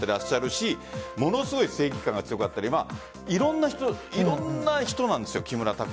ものすごい正義感が強かったりいろんな人なんですよ。